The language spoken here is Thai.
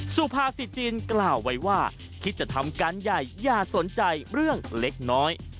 สุภาษิตจีนกล่าวไว้ว่าคิดจะทำการใหญ่อย่าสนใจเรื่องเล็กน้อย